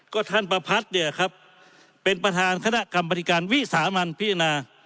ก็ท่านประพัทธ์เนี่ยครับเป็นประธานคณะกรรมบริการวิสามันพิจารณา